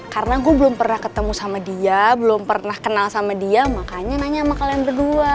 karena gue belum pernah ketemu sama dia belum pernah kenal sama dia makanya nanya sama kalian berdua